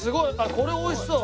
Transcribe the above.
これおいしそう。